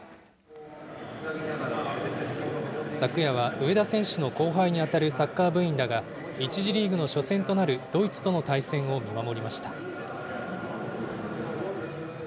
昨夜は上田選手の後輩に当たるサッカー部員らが、１次リーグの初戦となるドイツとの対戦を見守りました。